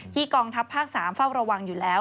กองทัพภาค๓เฝ้าระวังอยู่แล้ว